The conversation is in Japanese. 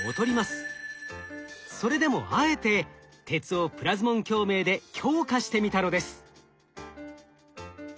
それでもあえて鉄をプラズモン共鳴で強化してみたのです。